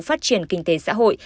phát triển kinh tế xã hội